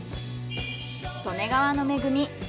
利根川の恵み。